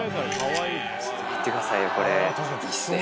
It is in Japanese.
ちょっと待ってくださいよ、いいっすね。